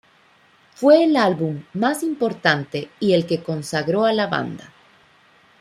Fue el álbum más importante y el que consagró a la banda.